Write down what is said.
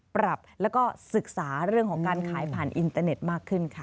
ปรับแล้วก็ศึกษาเรื่องของการขายผ่านอินเตอร์เน็ตมากขึ้นค่ะ